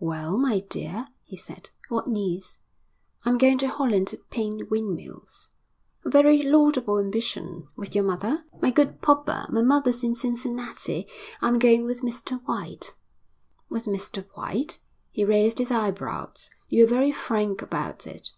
'Well, my dear,' he said, 'what news?' 'I'm going to Holland to paint windmills.' 'A very laudable ambition. With your mother?' 'My good Popper, my mother's in Cincinnati. I'm going with Mr White.' 'With Mr White?' He raised his eyebrows. 'You are very frank about it.'